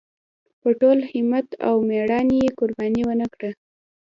په ټول همت او مېړانۍ یې قرباني ونکړه.